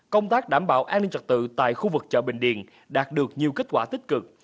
công tác đảm bảo an ninh trật tự tại khu vực chợ bình điền đạt được nhiều kết quả tích cực